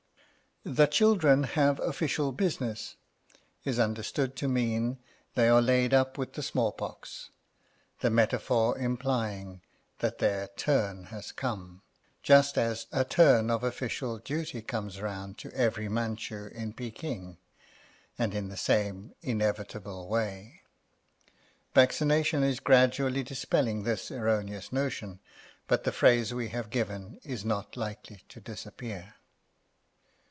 The children have official business, is understood to mean they are laid up with the small pox; the metaphor implying that their turn has come, just as a turn of official duty comes round to every Manchu in Peking, and in the same inevitable way. Vaccination is gradually dispelling this erroneous notion, but the phrase we have given is not likely to disappear.